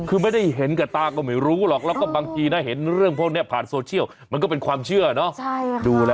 คือไม่ได้เห็นกับตาก็ไม่รู้หรอกแล้วก็บางทีนะเห็นเรื่องพวกนี้ผ่านโซเชียลมันก็เป็นความเชื่อเนาะ